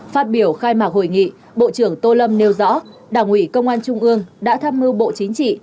phát biểu khai mạc hội nghị bộ trưởng tô lâm nêu rõ đảng ủy công an trung ương đã tham mưu bộ chính trị